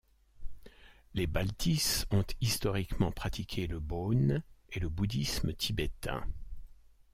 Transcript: Les Baltis ont historiquement pratiqué le bön et le bouddhisme tibétain.